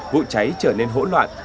vụ cháy trở nên hỗn loạn